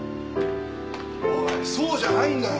おいそうじゃないんだよ！